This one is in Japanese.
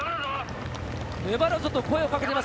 粘るぞ！と声をかけています。